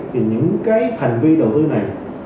thì những cái hành vi đầu tư này